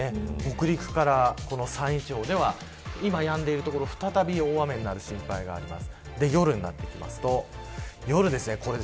北陸から山陰地方では今やんでいる所、再び大雨になる心配があります。